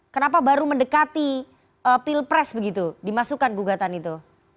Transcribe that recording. kenapa baru mendekati pilpres begitu dimasukkan gugatan itu